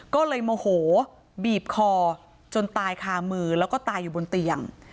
ก็เลยโมโหบีบคอจนตายคามือแล้วก็ตายอยู่บนเตียง